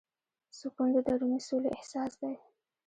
سکون د دروني سولې احساس دی.